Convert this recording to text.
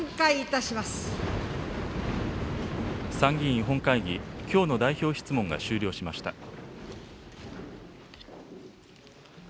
参議院本会議、きょうの代表質問が終了しました。